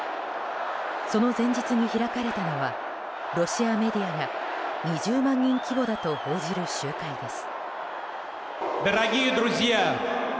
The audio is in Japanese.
その前日に開かれたのはロシアメディアが２０万人規模だと報じる集会です。